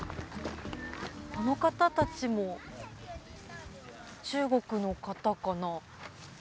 あの方たちも中国の方かな。